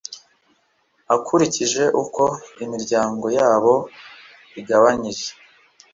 akurikije uko imiryango yabo igabanyije